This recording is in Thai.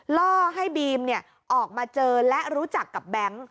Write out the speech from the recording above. ล่อให้บีมออกมาเจอและรู้จักกับแบงค์